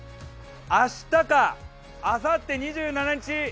明日か、あさって２７日